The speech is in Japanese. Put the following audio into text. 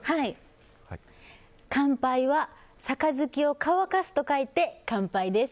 乾杯は盃を乾かすと書いて乾杯です。